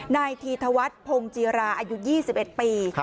นายธีธวัฒน์พงจีราอายุ๒๑ปี